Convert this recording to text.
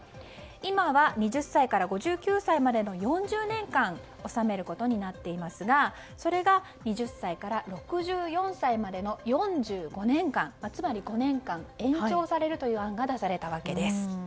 今は２０歳から５９歳までの４０年間納めることになっていますがそれが２０歳から６４歳までの４５年間つまり５年間延長されるという案が出されたわけです。